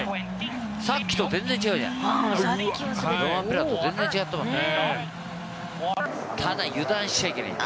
さっきと全然違うじゃない。